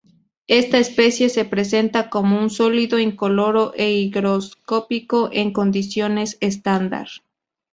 Esta especie se presenta como un sólido incoloro e higroscópico en condiciones estándar.